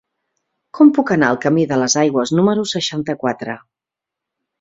Com puc anar al camí de les Aigües número seixanta-quatre?